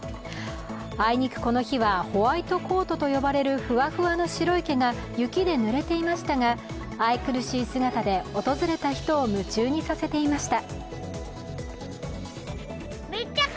あいにくこの日はホワイトコートと呼ばれるふわふわの白い毛が雪で濡れていましたが愛くるしい姿で訪れた人を夢中にさせていました。